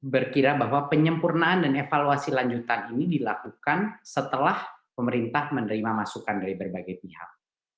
berkira bahwa penyempurnaan dan evaluasi lanjutan ini dilakukan setelah pemerintah menerima masukan dari berbagai pihak